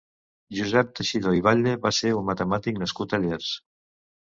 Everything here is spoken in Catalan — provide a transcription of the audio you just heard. Josep Teixidor i Batlle va ser un matemàtic nascut a Llers.